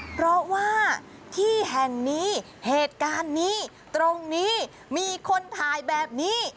เพราะว่าที่แห่งนี้เหตุการณ์นี้ตรงนี้มีคนถ่ายแบบนี้